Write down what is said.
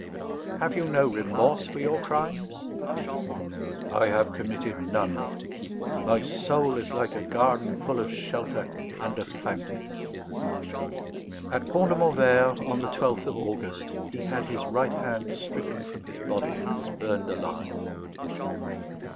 "Have you no remorse for your crimes?" "I have committed none. My soul is like a garden full of shelter and of fountains." At Pont de Montvert, on the 12th of August, he had his right hand stricken from his body, and was burned alive.